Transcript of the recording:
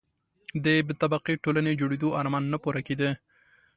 د بې طبقې ټولنې جوړېدو آرمان نه پوره کېده.